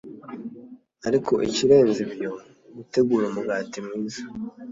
Ariko ikirenze ibyo, gutegura umugati mwiza